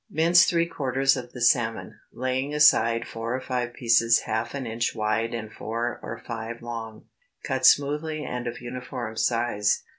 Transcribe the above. Mince three quarters of the salmon, laying aside four or five pieces half an inch wide and four or five long; cut smoothly and of uniform size.